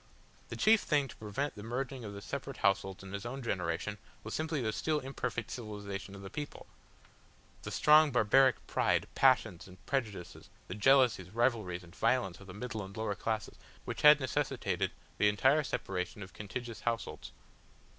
The chief thing to prevent the merging of the separate households in his own generation was simply the still imperfect civilisation of the people, the strong barbaric pride, passions, and prejudices, the jealousies, rivalries, and violence of the middle and lower classes, which had necessitated the entire separation of contiguous households.